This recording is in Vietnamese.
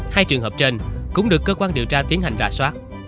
hai trường hợp trên cũng được cơ quan điều tra tiến hành rà soát